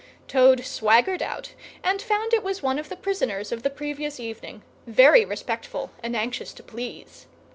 Toad swaggered out and found it was one of the prisoners of the previous evening, very respectful and anxious to please.